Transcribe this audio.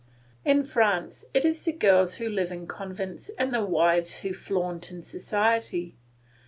In France it is the girls who live in convents and the wives who flaunt in society.